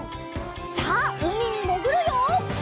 さあうみにもぐるよ！